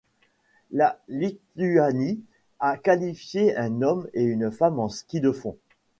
La Lituanie a qualifié un homme et une femme en ski de fond.